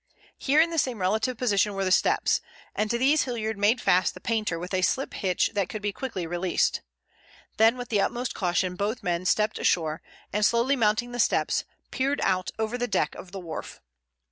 Here in the same relative position were the steps, and to these Hilliard made fast the painter with a slip hitch that could be quickly released. Then with the utmost caution both men stepped ashore, and slowly mounting the steps, peeped out over the deck of the wharf.